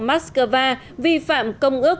moscow vi phạm công ước